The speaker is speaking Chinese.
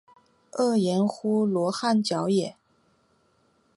曷言乎罗汉脚也？